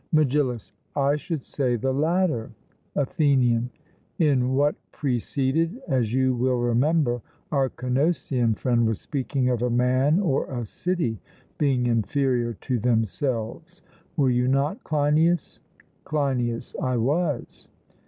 MEGILLUS: I should say the latter. ATHENIAN: In what preceded, as you will remember, our Cnosian friend was speaking of a man or a city being inferior to themselves: Were you not, Cleinias? CLEINIAS: I was.